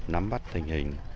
nắm bắt tình hình